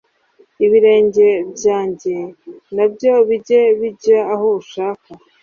Ibirenge byanjye nabyo bijye bijya aho ushaka